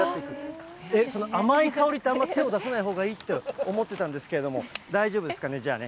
甘い香りって、あんまり手を出さないほうがいいって思ってたんですけれども、大丈夫ですかね、じゃあね。